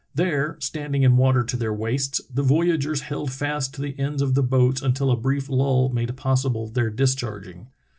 There, standing in water to their waists, the voyageurs held fast to the ends of the boats until a brief lull made possible their discharging.